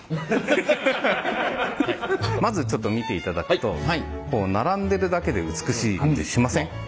まずちょっと見ていただくと並んでるだけで美しい感じしません？